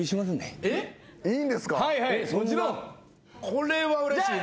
これはうれしいな。